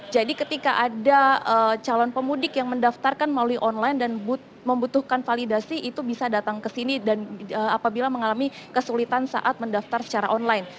jadi ketika ada calon pemudik yang mendaftarkan melalui online dan membutuhkan validasi itu bisa datang ke sini dan apabila mengalami kesulitan saat mendaftar secara online